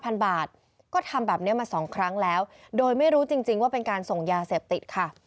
พันบาทก็ทำแบบนี้มาสองครั้งแล้วโดยไม่รู้จริงจริงว่าเป็นการส่งยาเสพติดค่ะ